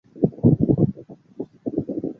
黄应士则是接纳他转读传理系的面试官。